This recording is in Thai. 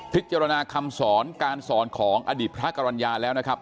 คำสอนการสอนของอดีตพระกรรณญาแล้วนะครับ